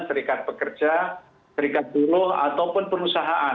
serikat pekerja serikat buruh ataupun perusahaan